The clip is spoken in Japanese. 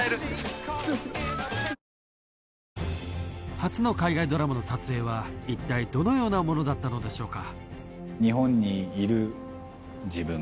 初の海外ドラマの撮影は一体どのようなものだったのでしょうか？